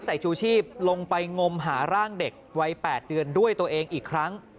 ชูชีพลงไปงมหาร่างเด็กวัย๘เดือนด้วยตัวเองอีกครั้ง